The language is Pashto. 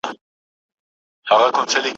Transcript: ښار او کلي مي په سرو لمبو لمبېږي